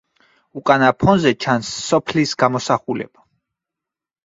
უკანა ფონზე ჩანს სოფლის გამოსახულება.